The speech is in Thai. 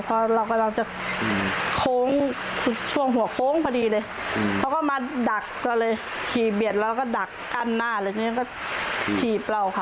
พอเรากำลังจะโค้งช่วงหัวโค้งพอดีเลยเขาก็มาดักก็เลยขี่เบียดแล้วก็ดักกั้นหน้าเลยทีนี้ก็ถีบเราค่ะ